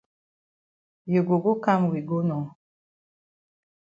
You go go kam we go nor.